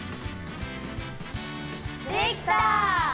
できた！